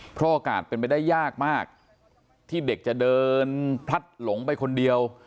เพราะโอกาสเป็นไปได้ยากมากที่เด็กจะเดินพลัดหลงไปคนเดียว